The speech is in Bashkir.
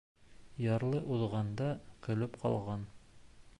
Ярлы уҙғанда көлөп ҡалған.